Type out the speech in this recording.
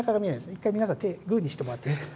一回皆さん手グーにしてもらっていいですか。